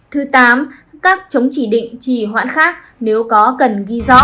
thứ tám các chống chỉ định chỉ hoãn khác nếu có cần ghi rõ